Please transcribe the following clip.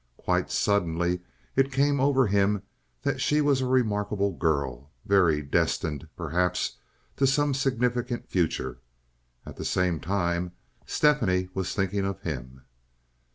Quite suddenly it came over him that she was a remarkable girl—very—destined, perhaps, to some significant future. At the same time Stephanie was thinking of him.